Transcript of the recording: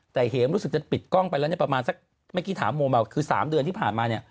แต่เห็มรู้สึกจะปิดกล้องไปแล้วเนี่ยประมาณสักเมื่อกี้ถามโมมาคือ๓เดือนที่ผ่านมาเนี่ย